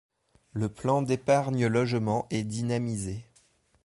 Le plan d'épargne-logement est dynamisé.